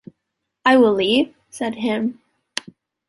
“I will leave?” said him.